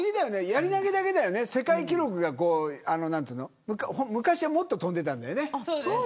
やり投げだけだよね、世界記録が昔はもっと飛んでたんだよね。